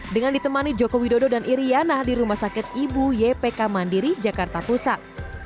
dengan ditemani joko widodo dan iryana di rumah sakit ibu ypk mandiri jakarta pusat